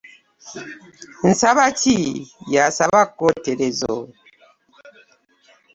Ndisaba ki , ,yasaba koterezo .